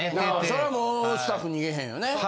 それはもうスタッフ逃げへんよね。